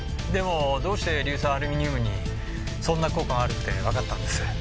でもどうして硫酸アルミニウムにそんな効果があるってわかったんです？